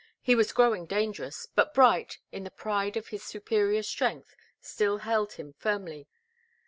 He was growing dangerous, but Bright, in the pride of his superior strength, still held him firmly.